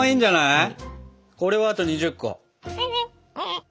これをあと２０個。